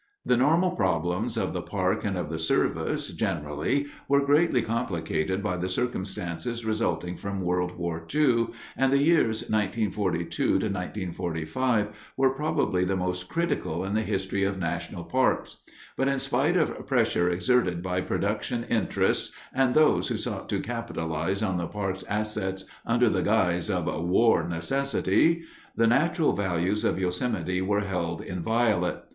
The normal problems of the park and of the Service, generally, were greatly complicated by the circumstances resulting from World War II, and the years 1942 1945 were probably the most critical in the history of national parks. But in spite of pressure exerted by production interests and those who sought to capitalize on the park's assets under the guise of "war necessity," the natural values of Yosemite were held inviolate.